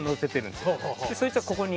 でそいつはここに。